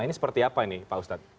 ini seperti apa ini pak ustadz